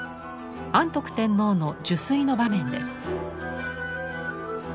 安徳天皇の入水の場面です。